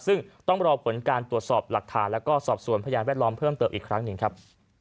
ซึ่งต้องรอผลการตรวจสอบหลักฐานแล้วก็สอบส่วนพยานแวดล้อมเพิ่มเติมอีกครั้งหนึ่งครับ